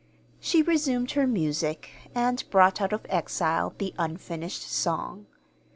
She resumed her music, and brought out of exile the unfinished song.